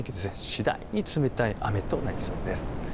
次第に冷たい雨となりそうです。